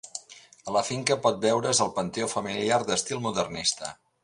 A la finca pot veure's el panteó familiar d'estil modernista.